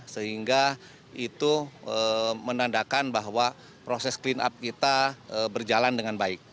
sehingga itu menandakan bahwa proses clean up kita berjalan dengan baik